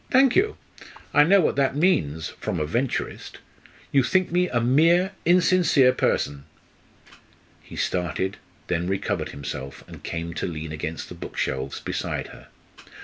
"Thank you! I know what that means from a Venturist. You think me a mean insincere person!" He started, then recovered himself and came to lean against the bookshelves beside her.